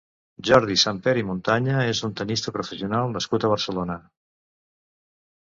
Jordi Samper i Montaña és un tennista professional nascut a Barcelona.